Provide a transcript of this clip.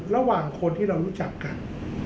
ระหว่างคนที่เรารู้จักกัน